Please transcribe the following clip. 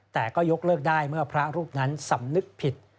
แต่ก็ยกเลิกได้เมื่อพระรูปนั้นสำนึกผิด